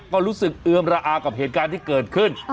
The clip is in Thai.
ก็รู้สึกเอือมระอากับเหตุการณ์ที่เกิดขึ้น